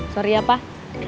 sorry ya pak